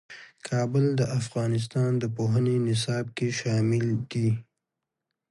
کابل د افغانستان د پوهنې نصاب کې شامل دي.